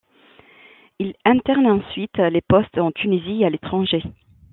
Il alterne ensuite les postes en Tunisie et à l'étranger.